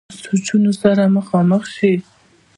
سوچونو سره مخامخ شي -